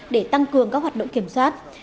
để tăng cường các hoạt động kiểm soát